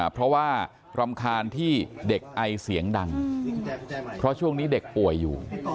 เพราะว่ารำคาญที่เด็กไอเสียงดังเพราะช่วงนี้เด็กป่วยอยู่